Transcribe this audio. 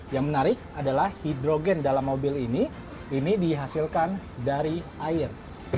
yang menarik adalah hidrogen dalam mobil ini ini dihasilkan dari air